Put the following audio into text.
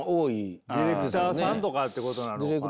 ディレクターさんとかってことなのかな？